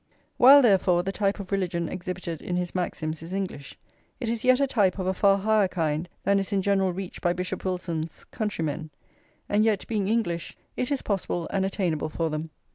While, therefore, the type of religion exhibited in his Maxims is English, it is yet a type of a far higher kind than is in general reached by Bishop Wilson's countrymen; and yet, being English, it is possible and attainable for them.